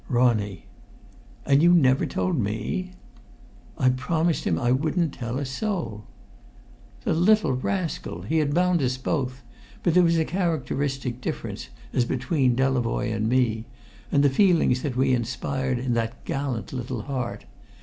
"Ronnie." "And you never told me!" "I promised him I wouldn't tell a soul." The little rascal! He had bound us both; but there was a characteristic difference as between Delavoye and me, and the feelings that we inspired in that gallant little heart.